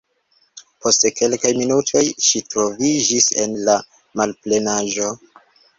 Post kelkaj minutoj ŝi troviĝis en la malplenaĵo.